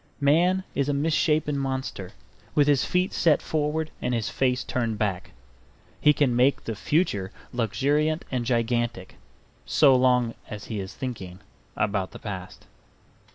Man is a misshapen monster, with his feet set forward and his face turned back. He can make the future luxuriant and gigantic, so long as he is thinking about the past.